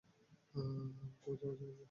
আবার কবে যাওয়া যায়?